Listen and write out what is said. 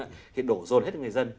thì đổ rồn hết cho người dân